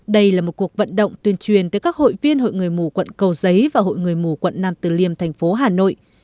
đây là một cuộc vận động tuyên truyền tới các hội viên hội người mù quận cầu giấy và hội người mù quận nam từ liêm thành phố hà nội